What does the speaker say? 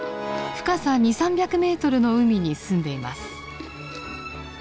深さ２００３００ｍの海にすんでいます。